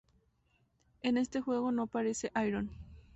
En este juego no aparece Iroh.